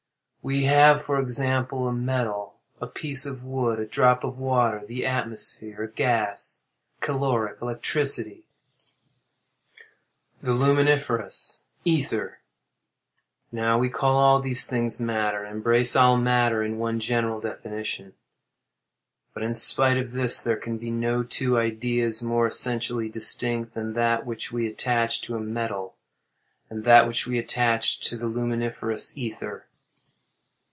We have, for example, a metal, a piece of wood, a drop of water, the atmosphere, a gas, caloric, electricity, the luminiferous ether. Now we call all these things matter, and embrace all matter in one general definition; but in spite of this, there can be no two ideas more essentially distinct than that which we attach to a metal, and that which we attach to the luminiferous ether.